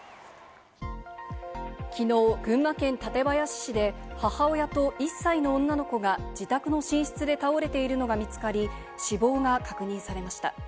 きのう、群馬県館林市で母親と１歳の女の子が自宅の寝室で倒れているのが見つかり、死亡が確認されました。